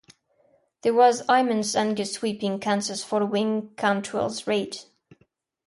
There was immense anger sweeping Kansas following Quantrill's raid.